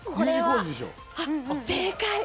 正解！